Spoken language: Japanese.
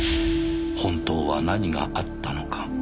「本当は何があったのか」